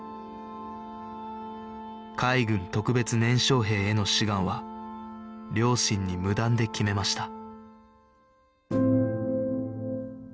海軍特別年少兵への志願は両親に無断で決めました